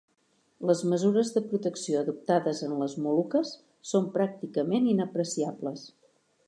Les mesures de protecció adoptades en les Moluques són pràcticament inapreciables.